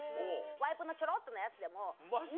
ワイプのちょろっとのやつでも見る。